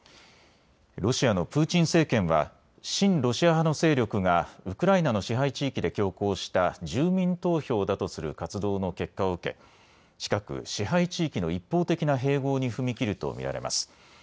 ロシアのプーチン政権は親ロシア派の勢力がウクライナの支配地域で強行した住民投票だとする活動の結果を受け近く、支配地域の一方的な併合に踏み切ると見られます。